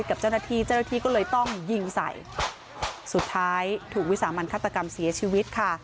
ไม่น่าให้เข้าไปประชิตกับเจ้าหน้าที่จ้าที่ก็เลยต้องยิงใส่สุดท้ายถูกวิสามันคาตกรรมเสียชีวิตค่ะ